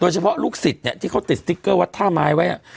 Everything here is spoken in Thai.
เฉพาะลูกศิษย์เนี่ยที่เขาติดสติ๊กเกอร์วัดท่าไม้ไว้